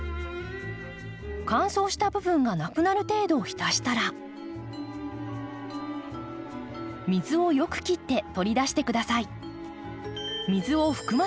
乾燥した部分がなくなる程度浸したら水をよく切って取り出して下さい。